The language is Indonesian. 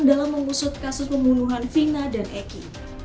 dalam mengusut kasus pembunuhan vina dan eki